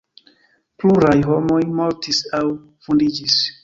Pluraj homoj mortis aŭ vundiĝis.